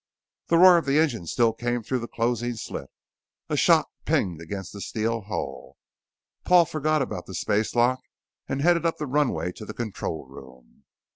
The roar of the engine still came through the closing slit, a shot pinged against the steel hull. Paul forgot about the spacelock and headed up the runway to the control room.